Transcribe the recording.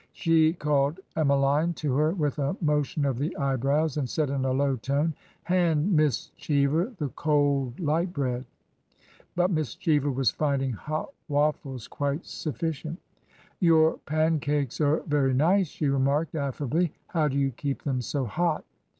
She called Emmeline to her v/ith a motion of the eye brows, and said in a low tone, '' Hand Miss Cheever the cold light bread." But Miss Cheever was finding hot waffies quite suffi cient. Your pancakes are very nice," she remarked affably. How do you keep them so hot?